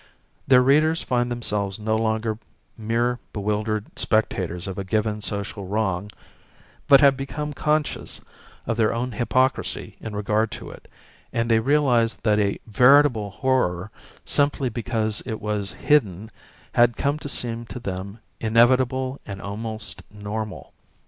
Their readers find themselves no longer mere bewildered spectators of a given social wrong, but have become conscious of their own hypocrisy in regard to it, and they realize that a veritable horror, simply because it was hidden, had come to seem to them inevitable and almost normal.